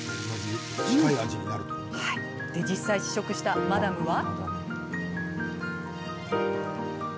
で、実際、試食したマダムは。